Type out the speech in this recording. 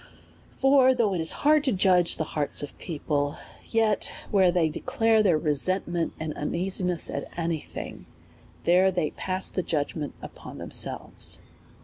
For though it is hard to judge of the hearts of peo ple, yet where they declare their resentment and un easiness at any thing, there they pass the judgment upon themselves.